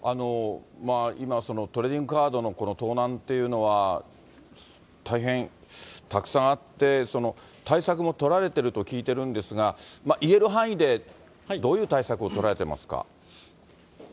今、トレーディングカードの盗難というのは、大変たくさんあって、対策も取られてると聞いているんですが、言える範囲でどういう対策を取られていますか？